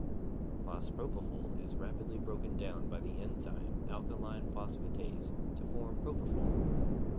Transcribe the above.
Fospropofol is rapidly broken down by the enzyme alkaline phosphatase to form propofol.